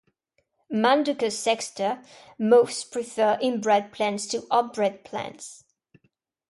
"Manduca sexta" moths prefer inbred plants to outbred plants.